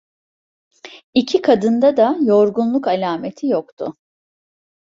İki kadında da yorgunluk alameti yoktu.